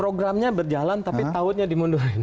programnya berjalan tapi taunya dimundurin